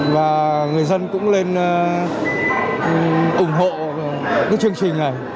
và người dân cũng nên ủng hộ cái chương trình này